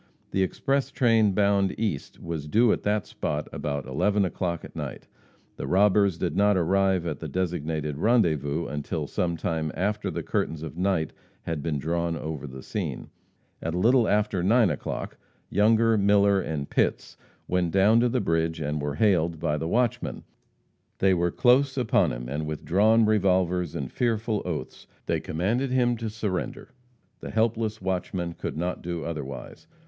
The express train bound east was due at that spot about 11 o'clock at night. The robbers did not arrive at the designated rendezvous until some time after the curtains of night had been drawn over the scene. At a little after 9 o'clock, Younger, Miller and Pitts went down to the bridge, and were hailed by the watchman. They were close upon him, and with drawn revolvers and fearful oaths they commanded him to surrender. The helpless watchman could not do otherwise.